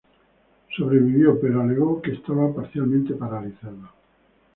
Sobrevivió, pero alegó que estaba parcialmente paralizado.